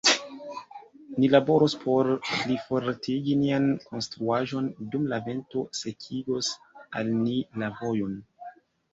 Ni laboros por plifortigi nian konstruaĵon, dum la vento sekigos al ni la vojon.